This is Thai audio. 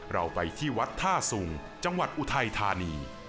เราไปที่วัดท่าสุงจังหวัดอุทัยธานี